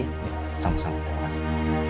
ya sama sama terima kasih